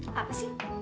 eh apa sih